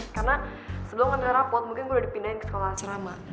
karena sebelum ngambil rapuh mungkin gue udah dipindahin ke sekolah acara mak